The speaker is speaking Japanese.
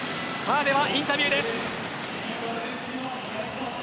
では、インタビューです。